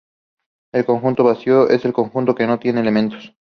El conjunto vacío es el conjunto que no tiene elementos.